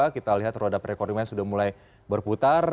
kita lihat roda perekonomian sudah mulai berputar